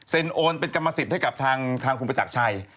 โอนเป็นกรรมสิทธิ์ให้กับทางคุณประจักรชัย